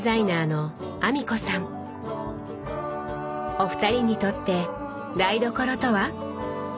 お二人にとって台所とは？